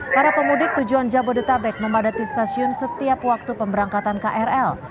para pemudik tujuan jabodetabek memadati stasiun setiap waktu pemberangkatan krl